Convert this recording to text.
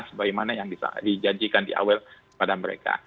dapatkan sebagaimana yang dijadikan di awal kepada mereka